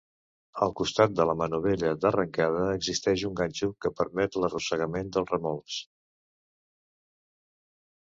Al costat de la manovella d'arrencada existeix un ganxo, que permet l'arrossegament de remolcs.